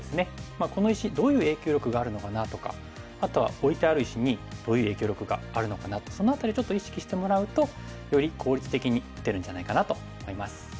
「この石どういう影響力があるのかな？」とかあとは「置いてある石にどういう影響力があるのかな？」ってその辺りちょっと意識してもらうとより効率的に打てるんじゃないかなと思います。